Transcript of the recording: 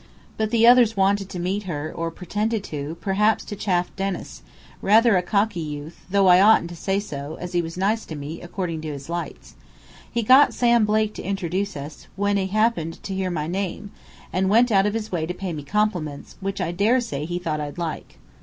But the others wanted to meet her, or pretended to, perhaps to chaff Dennis, rather a cocky youth, though I oughtn't to say so, as he was nice to me, according to his lights. He got Sam Blake to introduce us, when he happened to hear my name, and went out of his way to pay me compliments, which I daresay he thought I'd like.